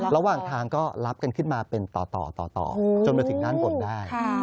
ระหว่างทางก็รับกันขึ้นมาเป็นต่อต่อจนมาถึงด้านบนได้